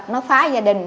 nó phá gia đình